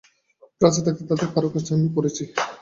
ফ্রান্সে থাকতে তাঁদের কারো কারো কাছে আমি পড়েছি।